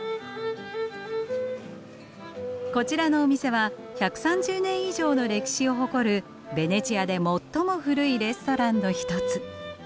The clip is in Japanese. こちらのお店は１３０年以上の歴史を誇るベネチアで最も古いレストランの一つ。